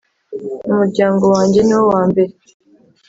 umuryango wange ni wo wa mbere